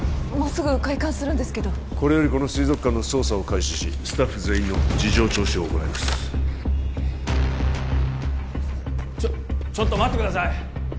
もうすぐ開館するんですけどこれよりこの水族館の捜査を開始しスタッフ全員の事情聴取を行いますちょちょっと待ってください